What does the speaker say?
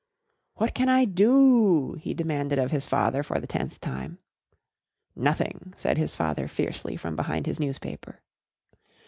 "What can I do?" he demanded of his father for the tenth time. "Nothing!" said his father fiercely from behind his newspaper.